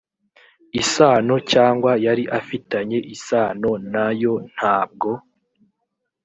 isano cyangwa yari ifitanye isano nayo ntabwo